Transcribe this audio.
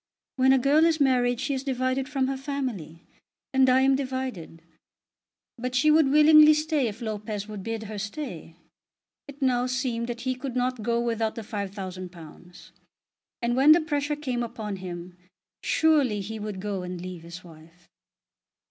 "When a girl is married she is divided from her family; and I am divided." But she would willingly stay if Lopez would bid her stay. It now seemed that he could not go without the £5000; and, when the pressure came upon him, surely he would go and leave his wife.